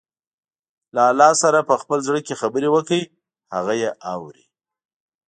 له الله سره په خپل زړه کې خبرې وکړئ، هغه يې اوري.